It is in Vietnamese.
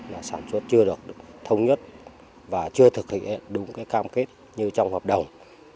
là sản xuất chưa được thông nhất và chưa thực hiện đúng cái cam kết như trong hợp đồng